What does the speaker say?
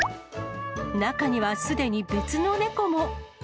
中には、すでに別の猫も。